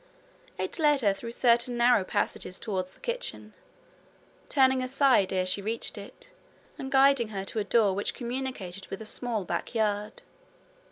It led her through certain narrow passages towards the kitchen, turning aside ere she reached it, and guiding her to a door which communicated with a small back yard.